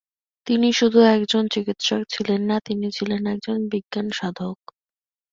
তিনি শুধু একজন চিকিৎসক ছিলেন না, তিনি ছিলেন একজন বিজ্ঞানসাধক।